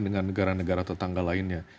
dengan negara negara tetangga lainnya